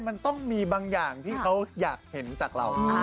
มันต้องมีบางอย่างที่เขาอยากเห็นจากเรา